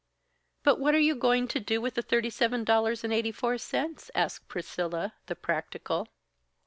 "But what are you going to do with the thirty seven dollars and eight four cents?" asked Priscilla, the practical.